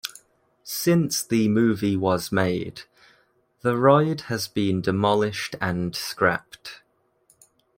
Since the movie was made, the ride has been demolished and scrapped.